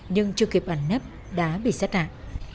nhưng chưa kịp ẩn nấp đã bị sát hại